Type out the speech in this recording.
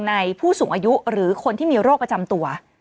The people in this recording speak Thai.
ผู้สูงอายุหรือคนที่มีโรคประจำตัว